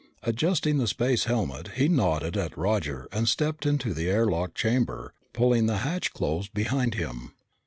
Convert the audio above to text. Adjusting the space helmet, he nodded at Roger and stepped into the air lock chamber, pulling the hatch closed behind him.